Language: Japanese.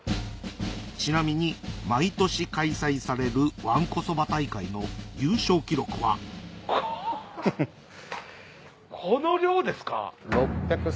ちなみに毎年開催されるわんこそば大会の優勝記録はこの量ですか？